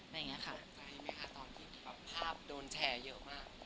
แบบเนี้ยค่ะตกใจไหมค่ะตอนที่แบบภาพโดนแชร์เยอะมาก